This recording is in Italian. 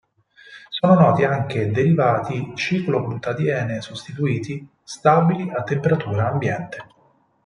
Sono noti anche derivati ciclobutadiene-sostituiti stabili a temperatura ambiente.